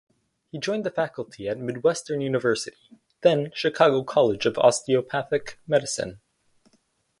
He joined the faculty at Midwestern University (then Chicago College of Osteopathic Medicine).